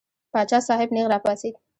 پاچا صاحب نېغ را پاڅېد.